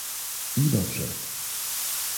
I dobrze